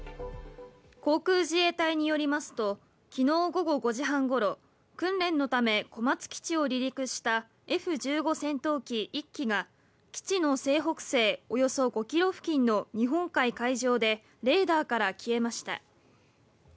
航空自衛隊によりますと昨日午後５時半頃、訓練のため小松基地を離陸したＦ１５戦闘機１機が基地の西北西およそ５キロ付近の日本海海上でレーダーから消えました。